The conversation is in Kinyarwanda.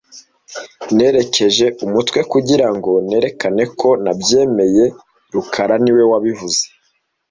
Nerekeje umutwe kugira ngo nerekane ko nabyemeye rukara niwe wabivuze